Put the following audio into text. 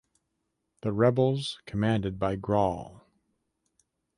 The rebels commanded by Gral.